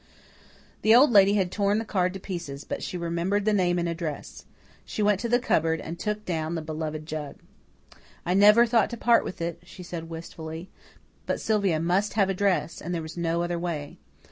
The Old Lady had torn the card to pieces; but she remembered the name and address. She went to the cupboard and took down the beloved jug. "I never thought to part with it," she said wistfully, "but Sylvia must have a dress, and there is no other way.